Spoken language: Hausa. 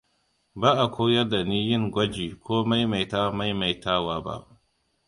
Ba a koyar da ni yin gwaji ko maimaita maimaitawa ba.